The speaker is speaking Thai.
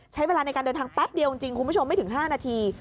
ใช้เวลาในการเดินทางแป๊บเดียวจริงคุณผู้ชมไม่ถึง๕นาที